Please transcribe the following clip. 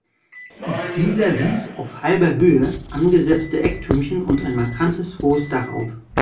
Dieser wies auf halber Höhe angesetzte Ecktürmchen und ein markantes hohes Dach auf.